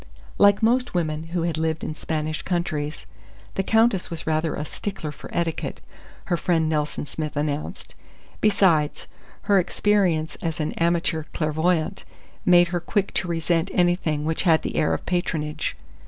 Like most women who had lived in Spanish countries, the Countess was rather a "stickler for etiquette," her friend Nelson Smith announced. Besides, her experience as an "amateur clairvoyante" made her quick to resent anything which had the air of patronage.